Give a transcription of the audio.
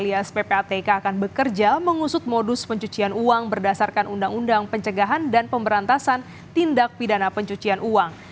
alias ppatk akan bekerja mengusut modus pencucian uang berdasarkan undang undang pencegahan dan pemberantasan tindak pidana pencucian uang